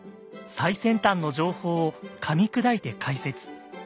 最先端の情報をかみ砕いて解説。